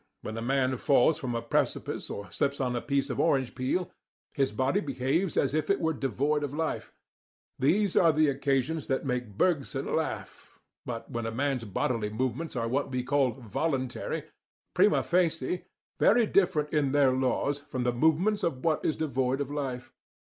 When a man falls from a precipice or slips on a piece of orange peel, his body behaves as if it were devoid of life. These are the occasions that make Bergson laugh. But when a man's bodily movements are what we call "voluntary," they are, at any rate prima facie, very different in their laws from the movements of what is devoid of life.